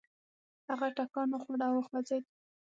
هغه ټکان وخوړ او وخوځېد.